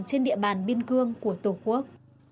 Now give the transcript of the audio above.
trên địa bàn biên cương của tổ quốc